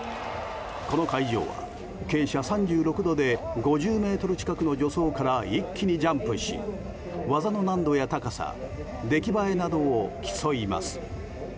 この会場は傾斜３６度で５０ｍ近くの助走から一気にジャンプし技の難度や高さ出来栄えなどを競います。